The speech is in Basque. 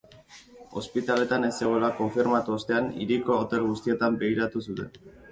Ospitaletan ez zegoela konfirmatu ostean, hiriko hotel guztietan begiratu zuten.